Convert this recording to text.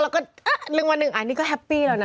แล้วก็อ๊ะเริ่มวันหนึ่งอ่ะนี่ก็แฮปปี้แล้วนะ